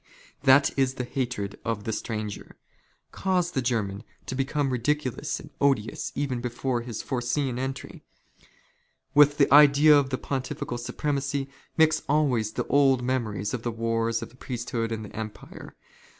That is the hatred of the stranger. Cause the German 'Ho become ridiculous and odious even before his foreseen entry. " With the idea of the Pontifical supremacy, mix always the old " memories of the wars of the priesthood and the Empire.